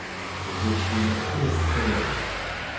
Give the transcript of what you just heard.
Ẓečč lmektub teqqimeḍ!